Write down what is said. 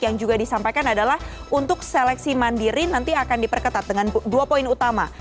yang juga disampaikan adalah untuk seleksi mandiri nanti akan diperketat dengan dua poin utama